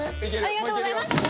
ありがとうございます。